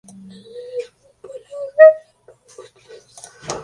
Las escápulas eran robustas.